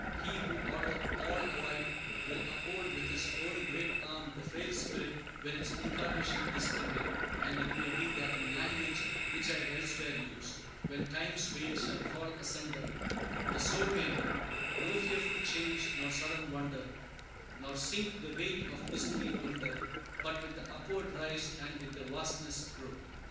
He who ordereth all aright will uphold with His own great arm the frail spirit when its incarnation is ended; and it may be, that, in language which I have elsewhere used, when Time's veil shall fall asunder, The soul may know No fearful change nor sudden wonder, Nor sink the weight of mystery under, But with the upward rise and with the vastness grow.